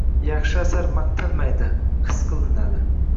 Yaxshi asar maqtalmaydi, his qilinadi